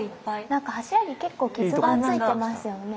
何か柱に結構傷が付いてますよね。